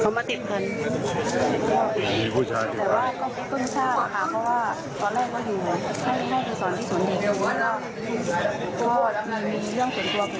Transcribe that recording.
เพราะว่ามีเรื่องส่วนตัวขึ้นก็ไม่เฉลยกันไม่มาทำงานที่กอง